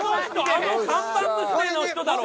あの看板娘の人だろ。